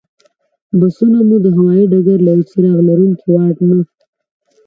بسونه مو د هوایي ډګر له یوه څراغ لرونکي واټ نه.